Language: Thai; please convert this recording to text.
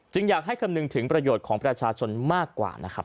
อยากให้คำนึงถึงประโยชน์ของประชาชนมากกว่านะครับ